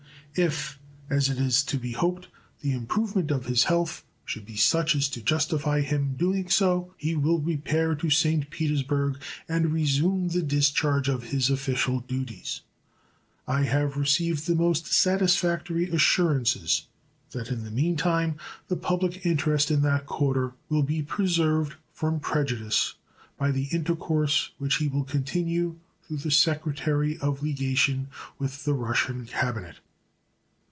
If, as it is to be hoped, the improvement of his health should be such as to justify him in doing so, he will repair to St. Petersburg and resume the discharge of his official duties. I have received the most satisfactory assurances that in the mean time the public interest in that quarter will be preserved from prejudice by the intercourse which he will continue through the secretary of legation with the Russian cabinet.